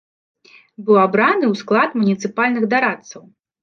Быў абраны ў склад муніцыпальных дарадцаў.